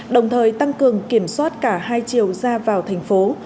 đồng thời tăng cường kiểm soát cả hai chiều ra vào thành phố